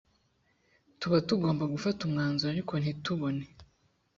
tuba tugomba gufata umwanzuro ariko ntitubone